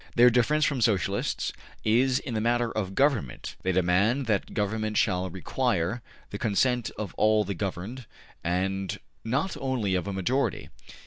Their difference from Socialists is in the matter of government: they demand that government shall require the consent of all the governed, and not only of a majority.